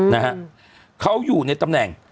นะฮะเขาอยู่ในตำแหน่ง